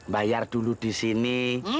bayar dulu di sini